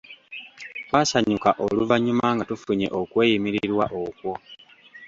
Twasanyuka oluvannyuma nga tufunye okweyimirirwa okwo.